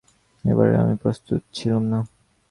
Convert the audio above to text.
এবারেও আমি প্রস্তুত ছিলুম না।